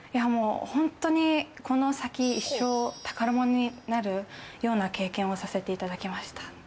本当に、この先、一生、宝物ものになるような経験をさせていただきました。